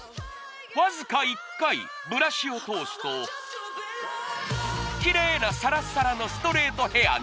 わずか１回ブラシを通すとキレイなサラサラのストレートヘアに！